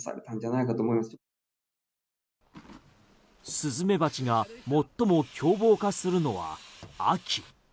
スズメバチが最も凶暴化するのは秋。